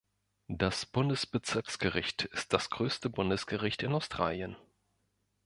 Das Bundesbezirksgericht ist das größte Bundesgericht in Australien.